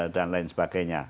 dan lain sebagainya